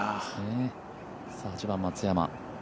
８番、松山。